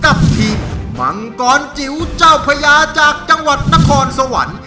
กับทีมมังกรจิ๋วเจ้าพญาจากจังหวัดนครสวรรค์